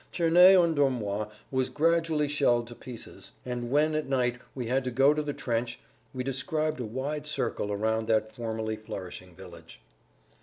Cerney en Dormois was gradually shelled to pieces, and when at night we had to go to the trench we described a wide circle around that formerly flourishing village.